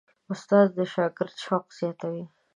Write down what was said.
استاد د شاګرد شوق زیاتوي.